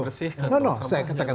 kalau ada sampah ya bersihkan